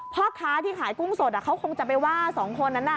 พ่อค้าที่ขายกุ้งสดเขาคงจะไปว่าสองคนนั้น